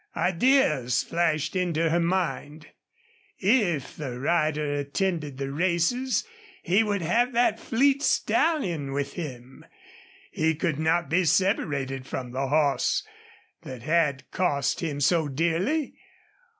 Ideas flashed into her mind. If the rider attended the races he would have that fleet stallion with him. He could not be separated from the horse that had cost him so dearly.